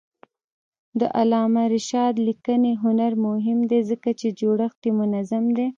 د علامه رشاد لیکنی هنر مهم دی ځکه چې جوړښت یې منظم دی.